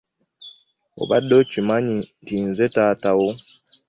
Obadde okimanyi nti nze taata wo?